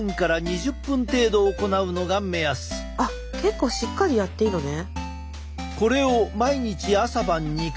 あっ結構しっかりやっていいのね。